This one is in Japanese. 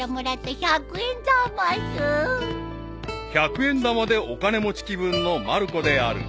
［百円玉でお金持ち気分のまる子である］